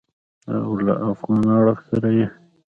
او له افغان اړخ سره یې